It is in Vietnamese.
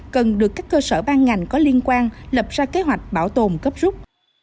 cần được các cơ sở ban ngành có liên quan lập ra kế hoạch bảo tồn cấp rút